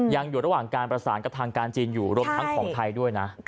ยังอยู่ระหว่างการประสานกับทางการจีนอยู่รวมทั้งของไทยด้วยนะ